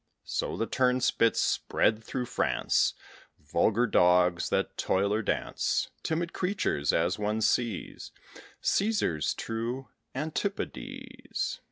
So the Turnspits spread through France Vulgar dogs, that toil or dance: Timid creatures, as one sees Cæsar's true antipodes.